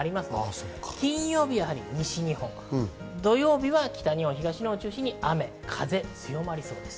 金曜日は西日本、土曜日は北日本、東日本を中心に雨風が強まりそうです。